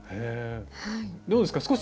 どうですか？